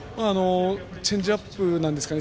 チェンジアップですかね。